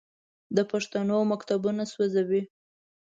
د پښتنو مکتبونه سوځوي.